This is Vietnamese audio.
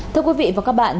thưa quý vị và các bạn